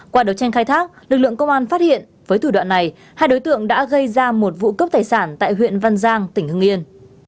qua đấu tranh khai thác lực lượng công an phát hiện với thủ đoạn này hai đối tượng đã gây ra một vụ cướp tài sản tại huyện văn giang tỉnh hưng yên